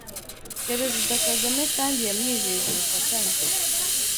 Perezida Kagame kandi yamwijeje ubufatanye